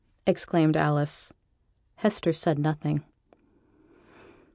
exclaimed Alice. Hester said nothing.